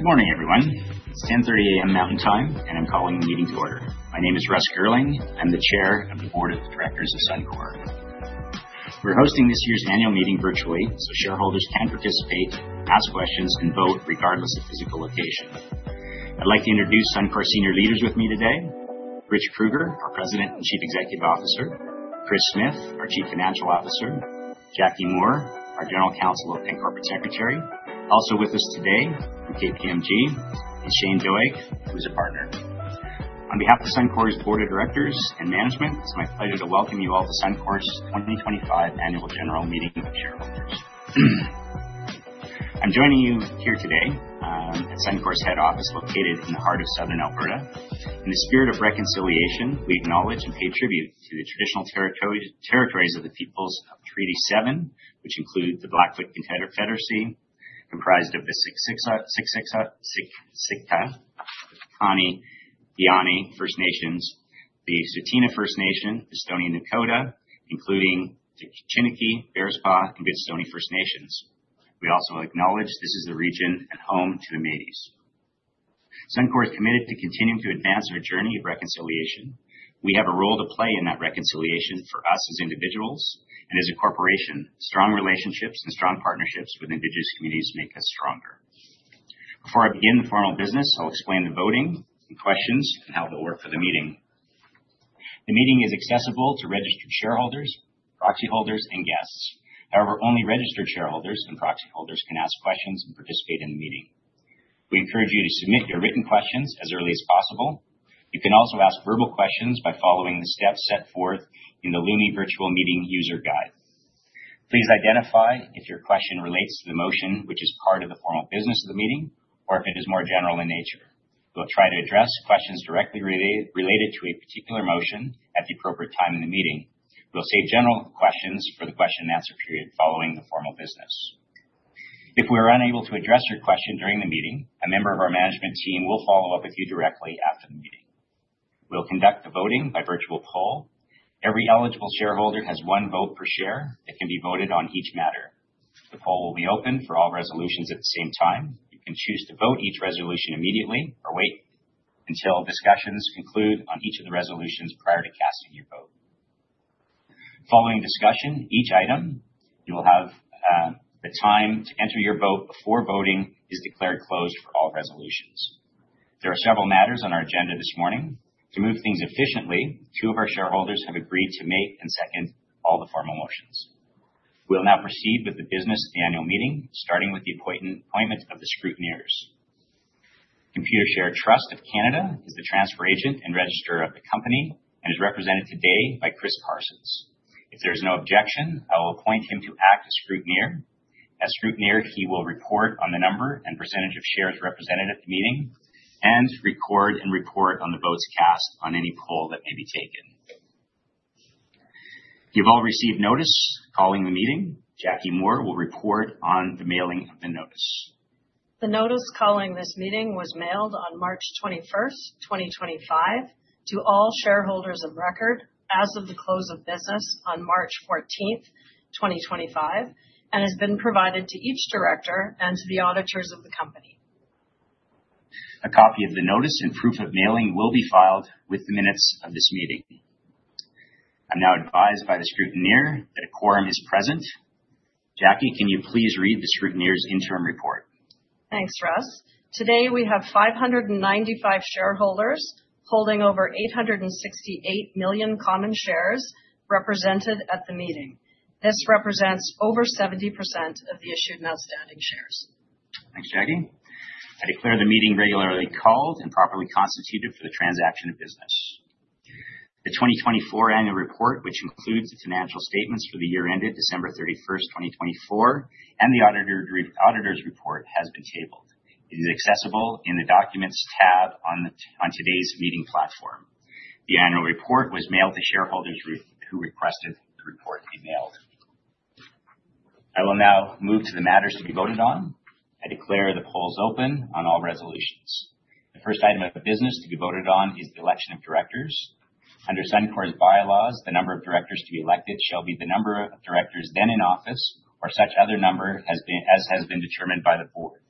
Good morning, everyone. It's 10:30 A.M. Mountain Time, and I'm calling the meeting to order. My name is Russell Gerling. I'm the Chair of the Board of Directors of Suncor Energy Inc. We're hosting this year's annual meeting virtually, so shareholders can participate, ask questions, and vote regardless of physical location. I'd like to introduce Suncor's senior leaders with me today: Rich Kruger, our President and Chief Executive Officer; Chris Smith, our Chief Financial Officer; Jackie Moore, our General Counsel and Corporate Secretary. Also with us today from KPMG LLP is Shane Doig, who is a partner. On behalf of Suncor's Board of Directors and Management, it's my pleasure to welcome you all to Suncor's 2025 Annual General Meeting of Shareholders. I'm joining you here today at Suncor's head office, located in the heart of southern Alberta. In the spirit of reconciliation, we acknowledge and pay tribute to the traditional territories of the Peoples of Treaty Seven, which include the Blackfoot Confederacy, comprised of the Siksika, Kainai, Piikani First Nations, the Tsuut'ina First Nation, and the Stoney Nakoda, including the Chiniki, Bearspaw, and Wesley First Nations. We also acknowledge this is the region and home to the Métis. Suncor is committed to continuing to advance our journey of reconciliation. We have a role to play in that reconciliation for us as individuals and as a corporation. Strong relationships and strong partnerships with Indigenous communities make us stronger. Before I begin the formal business, I'll explain the voting and questions and how they'll work for the meeting. The meeting is accessible to registered shareholders, proxy holders, and guests. However, only registered shareholders and proxy holders can ask questions and participate in the meeting. We encourage you to submit your written questions as early as possible. You can also ask verbal questions by following the steps set forth in the Lumi virtual meeting user guide. Please identify if your question relates to the motion, which is part of the formal business of the meeting, or if it is more general in nature. We'll try to address questions directly related to a particular motion at the appropriate time in the meeting. We'll save general questions for the question and answer period following the formal business. If we are unable to address your question during the meeting, a member of our management team will follow up with you directly after the meeting. We'll conduct the voting by virtual poll. Every eligible shareholder has one vote per share that can be voted on each matter. The poll will be open for all resolutions at the same time. You can choose to vote each resolution immediately or wait until discussions conclude on each of the resolutions prior to casting your vote. Following discussion of each item, you will have the time to enter your vote before voting is declared closed for all resolutions. There are several matters on our agenda this morning. To move things efficiently, two of our shareholders have agreed to make and second all the formal motions. We'll now proceed with the business annual meeting, starting with the appointment of the scrutineers. Computershare Trust of Canada is the transfer agent and registrar of the company and is represented today by Chris Parsons. If there is no objection, I will appoint him to act as scrutineer. As scrutineer, he will report on the number and percentage of shares represented at the meeting and record and report on the votes cast on any poll that may be taken. You've all received notice calling the meeting. Jackie Moore will report on the mailing of the notice. The notice calling this meeting was mailed on March 21, 2025, to all shareholders of record as of the close of business on March 14, 2025, and has been provided to each director and to the auditors of the company. A copy of the notice and proof of mailing will be filed with the minutes of this meeting. I'm now advised by the scrutineer that a quorum is present. Jackie, can you please read the scrutineer's interim report? Thanks, Russ. Today, we have 595 shareholders holding over 868 million common shares represented at the meeting. This represents over 70% of the issued and outstanding shares. Thanks, Jackie. I declare the meeting regularly called and properly constituted for the transaction of business. The 2024 Annual Report, which includes the financial statements for the year ended December 31, 2024, and the auditor's report, has been tabled. It is accessible in the documents tab on today's meeting platform. The annual report was mailed to shareholders who requested the report be mailed. I will now move to the matters to be voted on. I declare the polls open on all resolutions. The first item of business to be voted on is the election of directors. Under Suncor's bylaws, the number of directors to be elected shall be the number of directors then in office or such other number as has been determined by the board.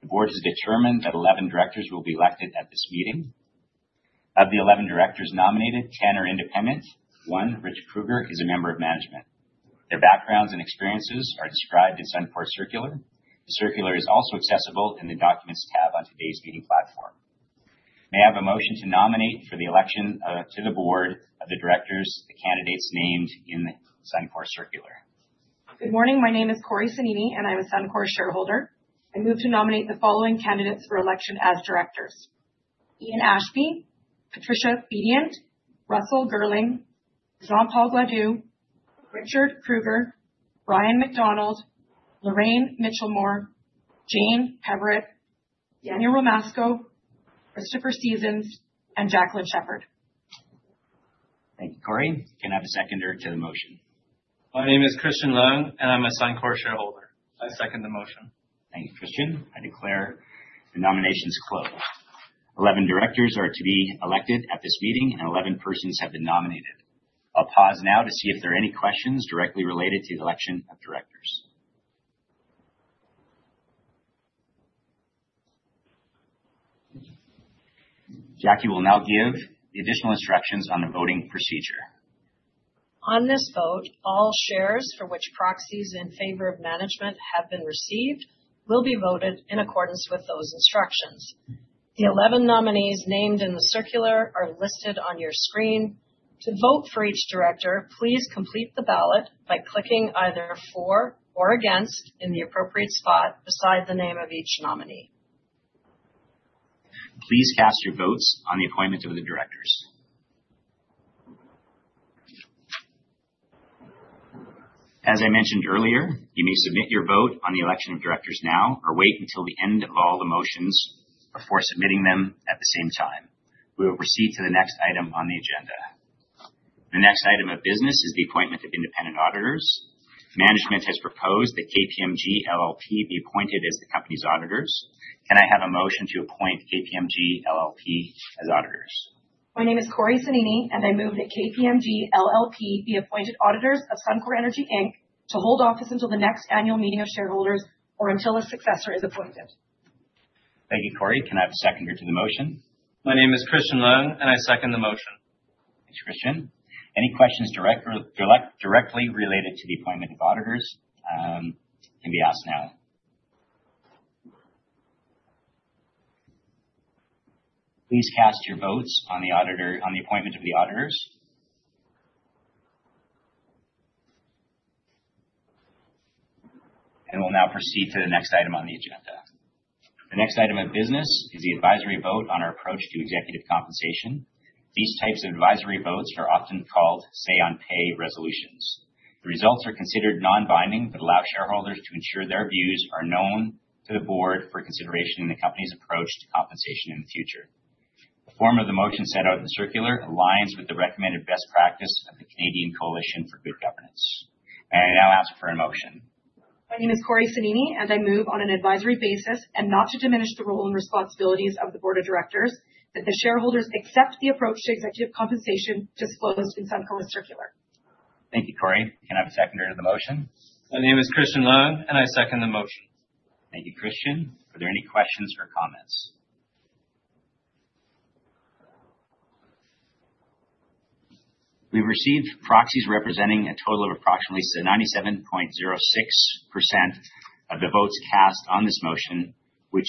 The board has determined that 11 directors will be elected at this meeting. Of the 11 directors nominated, 10 are independent. One, Rich Kruger, is a member of management. Their backgrounds and experiences are described in Suncor's circular. The circular is also accessible in the documents tab on today's meeting platform. May I have a motion to nominate for the election to the board of the directors the candidates named in the Suncor circular? Good morning. My name is Corey Cennini, and I'm a Suncor shareholder. I move to nominate the following candidates for election as directors: Ian Ashby, Patricia Bedient, Russell Gerling, Jean-Paul Gladu, Rich Kruger, Brian MacDonald, Lorraine Mitchelmore, Jane Evetett, Daniel Romasko, Christopher Seasons, and Jacqueline Sheppard. Thank you, Corey. Can I have a seconder to the motion? My name is Christian Leung and I'm a Suncor shareholder. I second the motion. Thank you, Christian. I declare the nominations closed. Eleven directors are to be elected at this meeting and eleven persons have been nominated. I'll pause now to see if there are any questions directly related to the election of directors. Jackie will now give the additional instructions on the voting procedure. On this vote, all shares for which proxies in favor of management have been received will be voted in accordance with those instructions. The 11 nominees named in the circular are listed on your screen. To vote for each director, please complete the ballot by clicking either for or against in the appropriate spot beside the name of each nominee. Please cast your votes on the appointment of the directors. As I mentioned earlier, you may submit your vote on the election of directors now or wait until the end of all the motions before submitting them at the same time. We will proceed to the next item on the agenda. The next item of business is the appointment of independent auditors. Management has proposed that KPMG LLP be appointed as the company's auditors. Can I have a motion to appoint KPMG LLP as auditors? My name is Corey Cennini and I move that KPMG LLP be appointed auditors of Suncor Energy Inc. to hold office until the next annual meeting of shareholders or until a successor is appointed. Thank you, Corey. Can I have a seconder to the motion? My name is Christian Leung, and I second the motion. Thanks, Christian. Any questions directly related to the appointment of auditors can be asked now. Please cast your votes on the appointment of the auditors. We'll now proceed to the next item on the agenda. The next item of business is the advisory vote on our approach to executive compensation. These types of advisory votes are often called say-on-pay resolutions. The results are considered non-binding but allow shareholders to ensure their views are known to the board for consideration in the company's approach to compensation in the future. The form of the motion set out in the circular aligns with the recommended best practice of the Canadian Coalition for Good Governance. May I now ask for a motion? My name is Corey Cennini and I move, on an advisory basis and not to diminish the role and responsibilities of the Board of Directors, that the shareholders accept the approach to executive compensation disclosed in Suncor's circular. Thank you, Corey. Can I have a seconder to the motion? My name is Christian Leung, and I second the motion. Thank you, Christian. Are there any questions or comments? We've received proxies representing a total of approximately 97.06% of the votes cast on this motion, which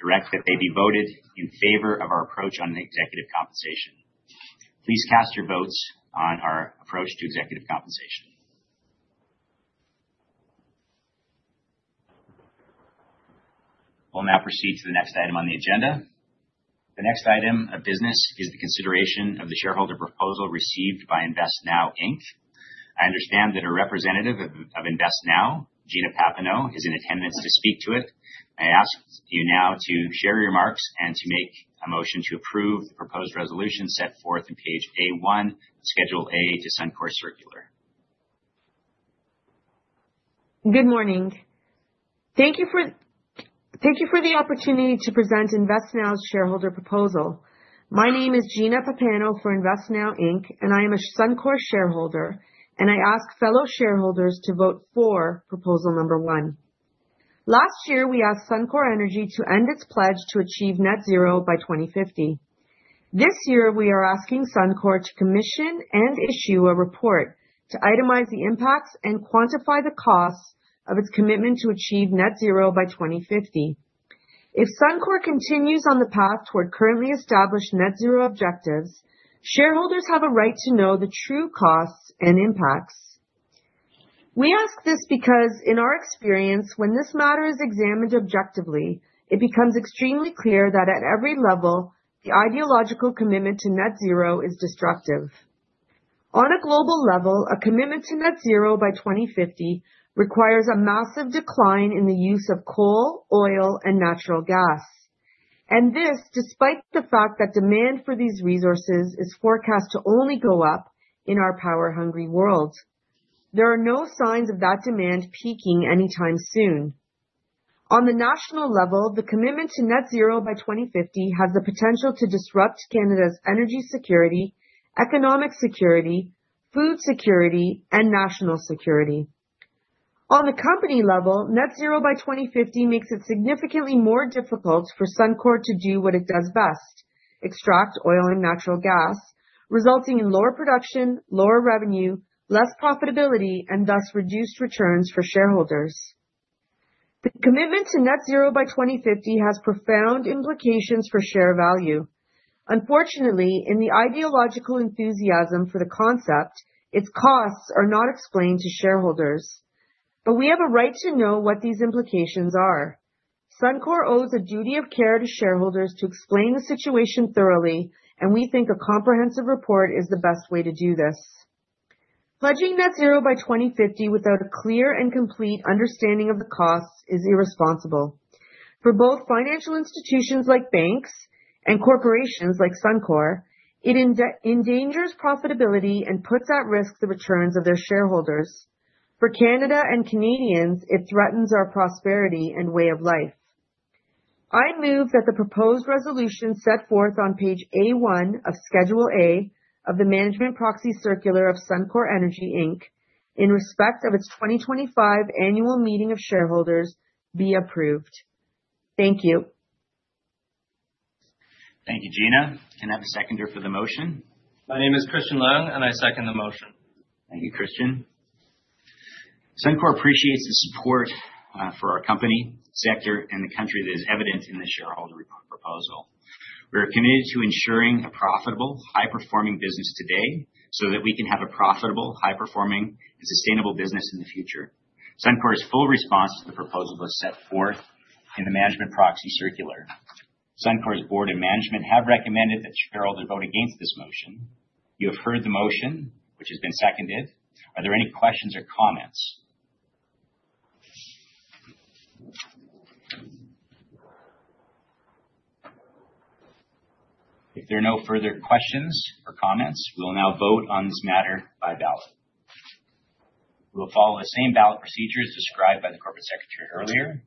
direct that they be voted in favor of our approach on executive compensation. Please cast your votes on our approach to executive compensation. We'll now proceed to the next item on the agenda. The next item of business is the consideration of the shareholder proposal received by InvestNow Inc. I understand that a representative of InvestNow, Gina Papineau, is in attendance to speak to it. I ask you now to share your remarks and to make a motion to approve the proposed resolution set forth in page A1, Schedule A to Suncor's circular. Good morning. Thank you for the opportunity to present InvestNow's shareholder proposal. My name is Gina Papineau for InvestNow Inc. and I am a Suncor shareholder, and I ask fellow shareholders to vote for proposal number one. Last year, we asked Suncor Energy to end its pledge to achieve net zero by 2050. This year, we are asking Suncor to commission and issue a report to itemize the impacts and quantify the costs of its commitment to achieve net zero by 2050. If Suncor continues on the path toward currently established net zero objectives, shareholders have a right to know the true costs and impacts. We ask this because, in our experience, when this matter is examined objectively, it becomes extremely clear that at every level, the ideological commitment to net zero is destructive. On a global level, a commitment to net zero by 2050 requires a massive decline in the use of coal, oil, and natural gas. This, despite the fact that demand for these resources is forecast to only go up in our power-hungry world. There are no signs of that demand peaking anytime soon. On the national level, the commitment to net zero by 2050 has the potential to disrupt Canada's energy security, economic security, food security, and national security. On the company level, net zero by 2050 makes it significantly more difficult for Suncor to do what it does best: extract oil and natural gas, resulting in lower production, lower revenue, less profitability, and thus reduced returns for shareholders. The commitment to net zero by 2050 has profound implications for share value. Unfortunately, in the ideological enthusiasm for the concept, its costs are not explained to shareholders. We have a right to know what these implications are. Suncor owes a duty of care to shareholders to explain the situation thoroughly, and we think a comprehensive report is the best way to do this. Pledging net zero by 2050 without a clear and complete understanding of the costs is irresponsible. For both financial institutions like banks and corporations like Suncor, it endangers profitability and puts at risk the returns of their shareholders. For Canada and Canadians, it threatens our prosperity and way of life. I move that the proposed resolution set forth on page A1 of Schedule A of the management proxy circular of Suncor Energy Inc. in respect of its 2025 annual meeting of shareholders be approved. Thank you. Thank you, Gina. Can I have a seconder for the motion? My name is Christian Leung and I second the motion. Thank you, Christian. Suncor appreciates the support for our company, sector, and the country that is evident in the shareholder proposal. We are committed to ensuring a profitable, high-performing business today so that we can have a profitable, high-performing, and sustainable business in the future. Suncor's full response to the proposal was set forth in the management proxy circular. Suncor's Board and management have recommended that shareholders vote against this motion. You have heard the motion, which has been seconded. Are there any questions or comments? If there are no further questions or comments, we will now vote on this matter by ballot. We will follow the same ballot procedures described by the Corporate Secretary earlier.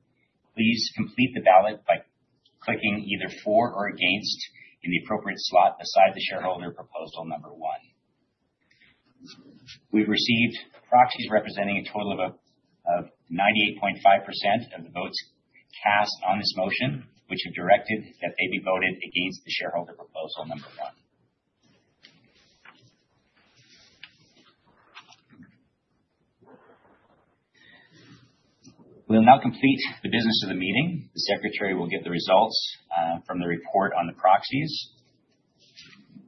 Please complete the ballot by clicking either for or against in the appropriate slot beside the shareholder proposal number one. We've received proxies representing a total of 98.5% of the votes cast on this motion, which have directed that they be voted against the shareholder proposal number one. We'll now complete the business of the meeting. The Secretary will get the results from the report on the proxies.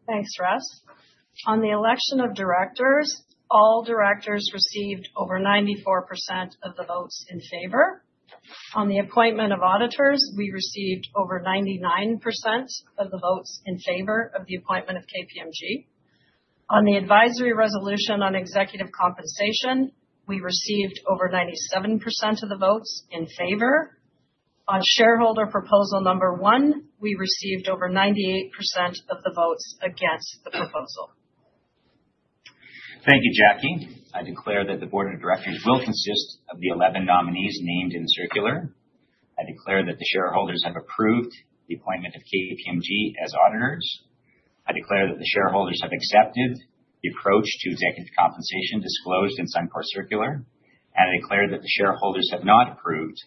Thanks, Russ. On the election of directors, all directors received over 94% of the votes in favor. On the appointment of auditors, we received over 99% of the votes in favor of the appointment of KPMG. On the advisory resolution on executive compensation, we received over 97% of the votes in favor. On shareholder proposal number one, we received over 98% of the votes against the proposal. Thank you, Jackie. I declare that the Board of Directors will consist of the 11 nominees named in the circular. I declare that the shareholders have approved the appointment of KPMG as auditors. I declare that the shareholders have accepted the approach to executive compensation disclosed in Suncor's circular. I declare that the shareholders have not approved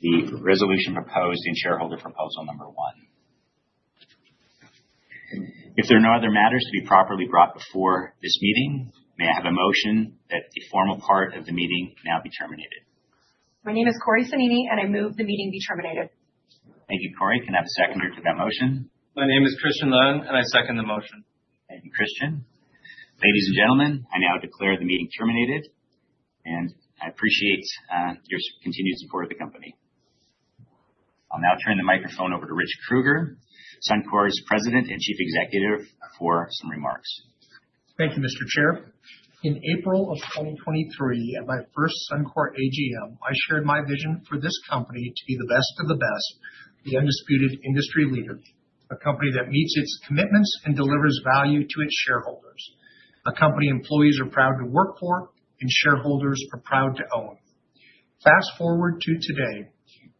the resolution proposed in shareholder proposal number one. If there are no other matters to be properly brought before this meeting, may I have a motion that the formal part of the meeting now be terminated? My name is Corey Cennini, and I move the meeting be terminated. Thank you, Corey. Can I have a seconder to that motion? My name is Christian Leung, and I second the motion. Thank you, Christian. Ladies and gentlemen, I now declare the meeting terminated, and I appreciate your continued support of the company. I'll now turn the microphone over to Rich Kruger, Suncor's President and Chief Executive, for some remarks. Thank you, Mr. Chair. In April of 2023, at my first Suncor AGM, I shared my vision for this company to be the best of the best, the undisputed industry leader. A company that meets its commitments and delivers value to its shareholders. A company employees are proud to work for and shareholders are proud to own. Fast forward to today,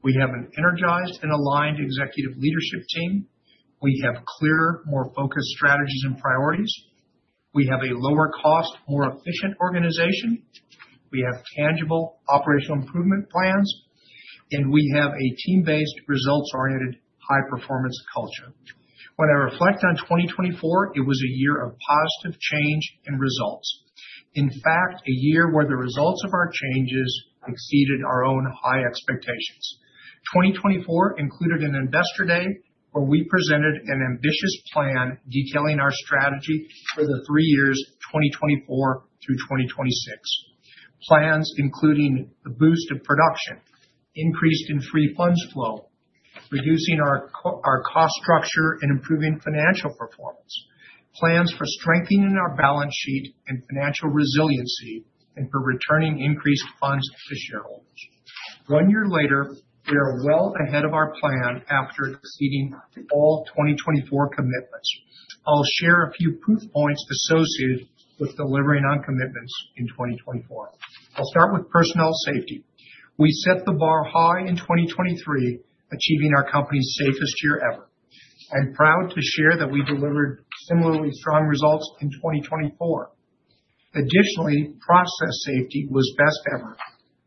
we have an energized and aligned executive leadership team. We have clearer, more focused strategies and priorities. We have a lower cost, more efficient organization. We have tangible operational improvement plans. We have a team-based, results-oriented, high-performance culture. When I reflect on 2024, it was a year of positive change and results. In fact, a year where the results of our changes exceeded our own high expectations. 2024 included an Investor Day where we presented an ambitious plan detailing our strategy for the three years, 2024 through 2026. Plans including the boost of production, increase in free funds flow, reducing our cost structure, and improving financial performance. Plans for strengthening our balance sheet and financial resiliency and for returning increased funds to shareholders. One year later, we are well ahead of our plan after exceeding all 2024 commitments. I'll share a few proof points associated with delivering on commitments in 2024. I'll start with personnel safety. We set the bar high in 2023, achieving our company's safest year ever. I'm proud to share that we delivered similarly strong results in 2024. Additionally, process safety was best ever,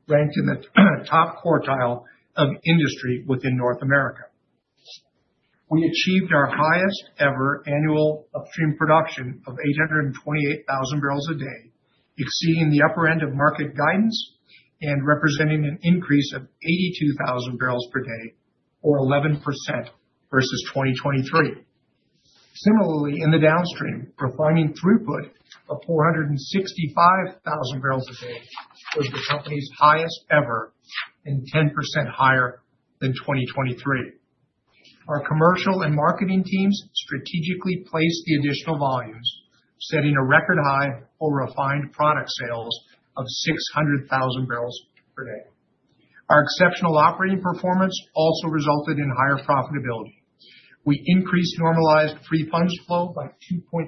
ranked in the top quartile of industry within North America. We achieved our highest ever annual upstream production of 828,000 barrels a day, exceeding the upper end of market guidance and representing an increase of 82,000 barrels per day, or 11% versus 2023. Similarly, in the downstream, refining throughput of 465,000 barrels a day was the company's highest ever and 10% higher than 2023. Our commercial and marketing teams strategically placed the additional volumes, setting a record high for refined product sales of 600,000 barrels per day. Our exceptional operating performance also resulted in higher profitability. We increased normalized free funds flow by $2.3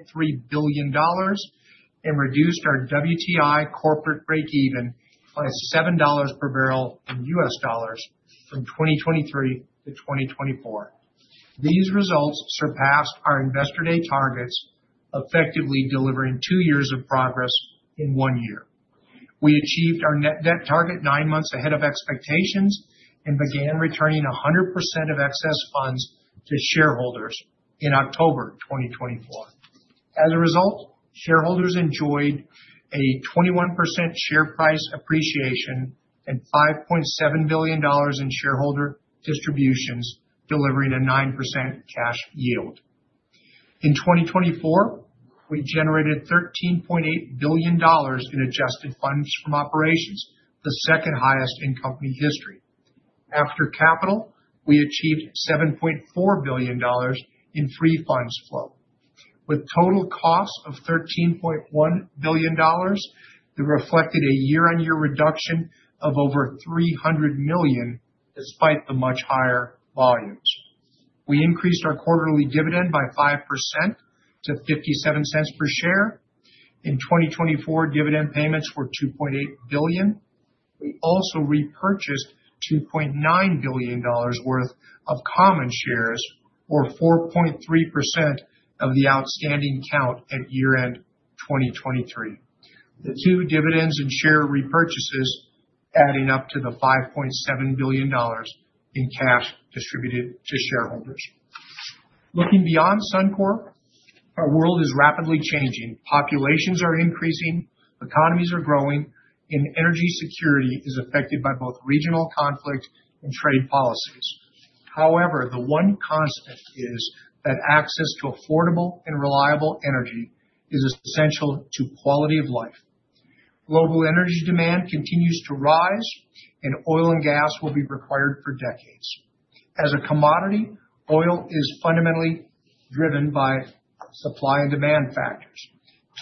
billion and reduced our WTI corporate breakeven by $7 per barrel in U.S. dollars from 2023 to 2024. These results surpassed our Investor Day targets, effectively delivering two years of progress in one year. We achieved our net net target nine months ahead of expectations and began returning 100% of excess funds to shareholders in October 2024. As a result, shareholders enjoyed a 21% share price appreciation and $5.7 billion in shareholder distributions, delivering a 9% cash yield. In 2024, we generated $13.8 billion in adjusted funds from operations, the second highest in company history. After capital, we achieved $7.4 billion in free funds flow. With total costs of $13.1 billion, we reflected a year-on-year reduction of over $300 million, despite the much higher volumes. We increased our quarterly dividend by 5% to $0.57 per share. In 2024, dividend payments were $2.8 billion. We also repurchased $2.9 billion worth of common shares, or 4.3% of the outstanding count at year-end 2023. The two, dividends and share repurchases, added up to the $5.7 billion in cash distributed to shareholders. Looking beyond Suncor, our world is rapidly changing. Populations are increasing, economies are growing, and energy security is affected by both regional conflicts and trade policies. However, the one constant is that access to affordable and reliable energy is essential to quality of life. Global energy demand continues to rise, and oil and gas will be required for decades. As a commodity, oil is fundamentally driven by supply and demand factors.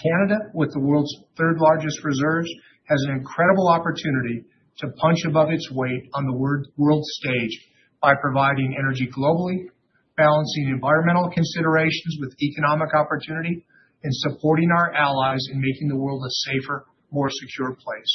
Canada, with the world's third largest reserves, has an incredible opportunity to punch above its weight on the world stage by providing energy globally, balancing environmental considerations with economic opportunity, and supporting our allies in making the world a safer, more secure place.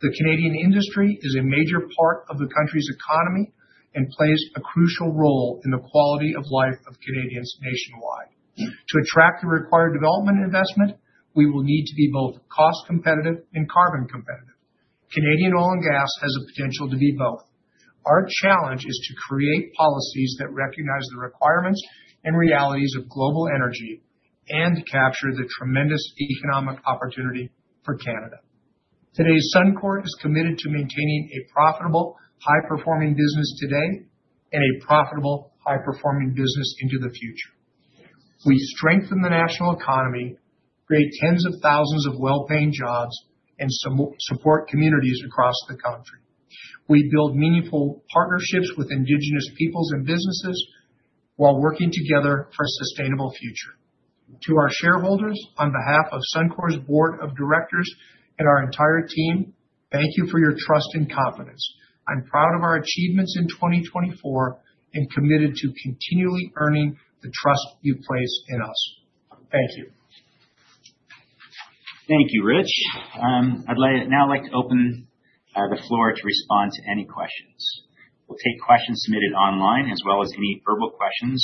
The Canadian industry is a major part of the country's economy and plays a crucial role in the quality of life of Canadians nationwide. To attract the required development investment, we will need to be both cost-competitive and carbon-competitive. Canadian oil and gas has the potential to be both. Our challenge is to create policies that recognize the requirements and realities of global energy and capture the tremendous economic opportunity for Canada. Today's Suncor is committed to maintaining a profitable, high-performing business today and a profitable, high-performing business into the future. We strengthen the national economy, create tens of thousands of well-paying jobs, and support communities across the country. We build meaningful partnerships with Indigenous peoples and businesses while working together for a sustainable future. To our shareholders, on behalf of Suncor's board of directors and our entire team, thank you for your trust and confidence. I'm proud of our achievements in 2024 and committed to continually earning the trust you place in us. Thank you. Thank you, Rich. I'd now like to open the floor to respond to any questions. We'll take questions submitted online, as well as any verbal questions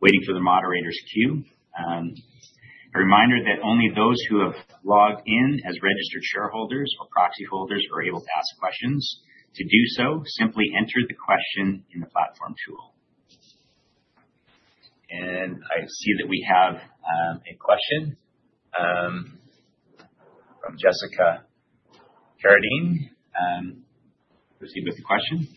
waiting for the moderator's queue. A reminder that only those who have logged in as registered shareholders or proxy holders are able to ask questions. To do so, simply enter the question in the platform tool. I see that we have a question from Jessica Carradine. Proceed with the question.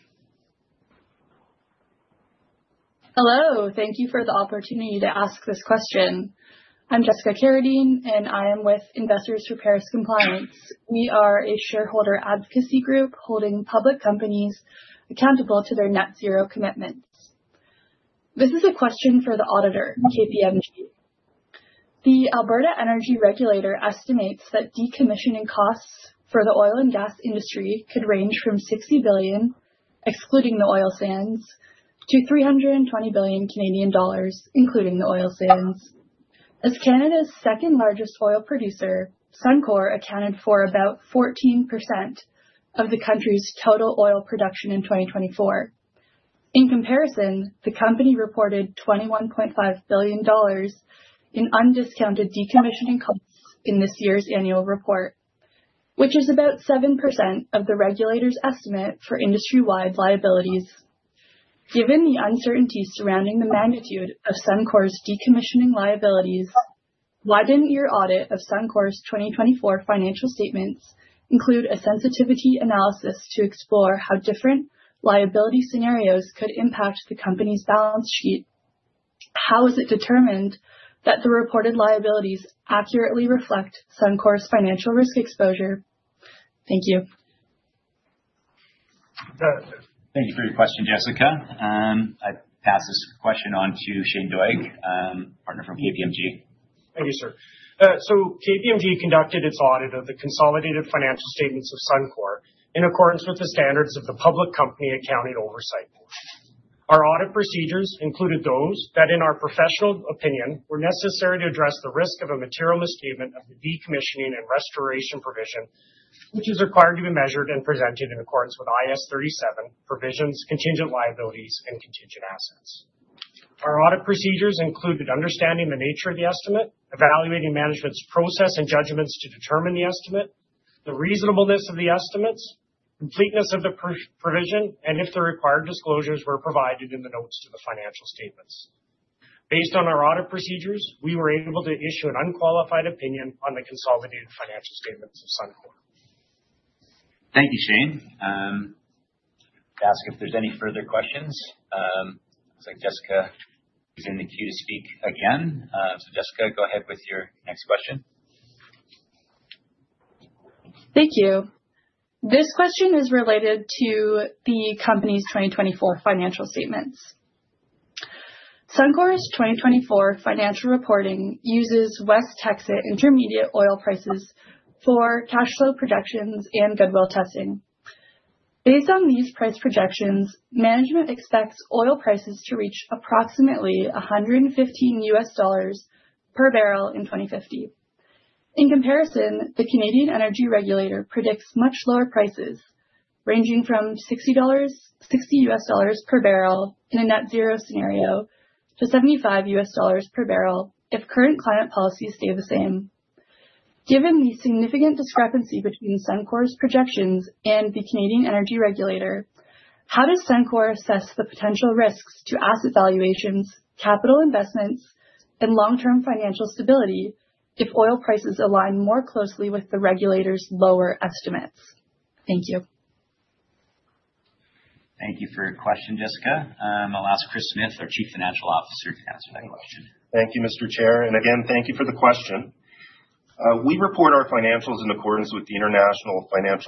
Hello. Thank you for the opportunity to ask this question. I'm Jessica Carradine and I am with Investors for Paris Compliance. We are a shareholder advocacy group holding public companies accountable to their net zero commitments. This is a question for the auditor, KPMG. The Alberta Energy Regulator estimates that decommissioning costs for the oil and gas industry could range from $60 billion, excluding the oil sands, to $320 billion Canadian dollars, including the oil sands. As Canada's second largest oil producer, Suncor accounted for about 14% of the country's total oil production in 2024. In comparison, the company reported $21.5 billion in undiscounted decommissioning costs in this year's annual report, which is about 7% of the regulator's estimate for industry-wide liabilities. Given the uncertainty surrounding the magnitude of Suncor Energy Inc.'s decommissioning liabilities, why didn't your audit of Suncor's 2024 financial statements include a sensitivity analysis to explore how different liability scenarios could impact the company's balance sheet? How is it determined that the reported liabilities accurately reflect Suncor's financial risk exposure? Thank you. Thank you for your question, Jessica. I pass this question on to Shane Doig, Partner from KPMG. Thank you, sir. KPMG conducted its audit of the consolidated financial statements of Suncor in accordance with the standards of the Public Company Accounting Oversight Board. Our audit procedures included those that, in our professional opinion, were necessary to address the risk of a material misstatement of the decommissioning and restoration provision, which is required to be measured and presented in accordance with IAS 37 provisions, contingent liabilities, and contingent assets. Our audit procedures included understanding the nature of the estimate, evaluating management's process and judgments to determine the estimate, the reasonableness of the estimates, completeness of the provision, and if the required disclosures were provided in the notes to the financial statements. Based on our audit procedures, we were able to issue an unqualified opinion on the consolidated financial statements of Suncor. Thank you, Shane. I'll ask if there's any further questions. It looks like Jessica is in the queue to speak again. Jessica, go ahead with your next question. Thank you. This question is related to the company's 2024 financial statements. Suncor's 2024 financial reporting uses West Texas Intermediary oil prices for cash flow projections and goodwill testing. Based on these price projections, management expects oil prices to reach approximately $115 per barrel in 2050. In comparison, the Canadian Energy Regulator predicts much lower prices, ranging from $60 per barrel in a net zero scenario to $75 per barrel if current climate policies stay the same. Given the significant discrepancy between Suncor's projections and the Canadian Energy Regulator, how does Suncor assess the potential risks to asset valuations, capital investments, and long-term financial stability if oil prices align more closely with the regulator's lower estimates? Thank you. Thank you for your question, Jessica. I'll ask Chris Smith, our Chief Financial Officer, to answer that question. Thank you, Mr. Chair. Thank you for the question. We report our financials in accordance with IFRS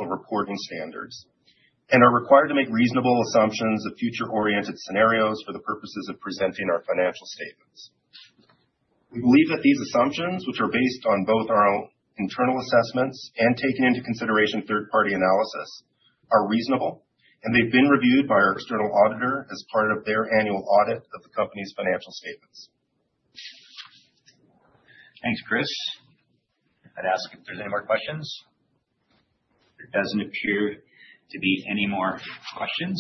and are required to make reasonable assumptions of future-oriented scenarios for the purposes of presenting our financial statements. We believe that these assumptions, which are based on both our own internal assessments and taking into consideration third-party analysis, are reasonable, and they've been reviewed by our external auditor as part of their annual audit of the company's financial statements. Thank you, Chris. I'd ask if there's any more questions. There doesn't appear to be any more questions.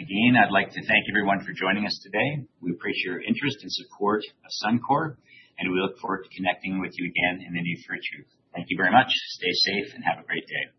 Again, I'd like to thank everyone for joining us today. We appreciate your interest and support of Suncor, and we look forward to connecting with you again in the near future. Thank you very much. Stay safe and have a great day.